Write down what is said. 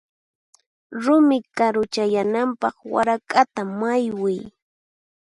Rumi karu chayananpaq warak'ata maywiy.